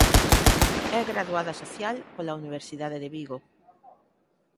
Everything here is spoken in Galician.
É graduada social pola Universidade de Vigo.